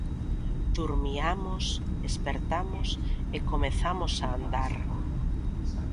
Durmiamos, espertamos, e comezamos a andar.